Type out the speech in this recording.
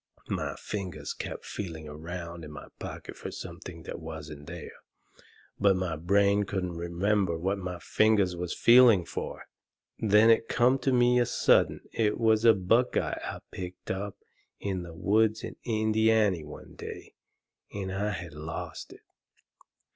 My fingers kept feeling around in my pocket fur something that wasn't there. But my brain couldn't remember what my fingers was feeling fur. Then it come on me sudden it was a buckeye I picked up in the woods in Indiany one day, and I had lost it.